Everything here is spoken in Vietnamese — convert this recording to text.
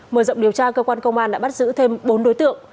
mở rộng điều tra cơ quan công an đã bắt giữ thêm bốn đối tượng